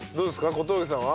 小峠さんは？